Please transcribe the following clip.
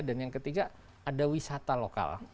dan yang ketiga ada wisata lokal